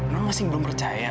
non masih belum percaya